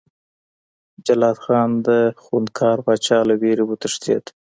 جلات خان د خونکار پاچا له ویرې وتښتېد.